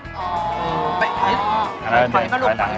อ๋อปล่อยพร้อมด้วยแล้วนะครับเออแรงขวม